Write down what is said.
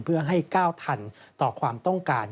เพื่อให้ก้าวทันต่อความต้องการ